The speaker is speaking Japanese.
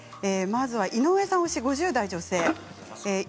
まずは井上さん推しの５０代の女性からです。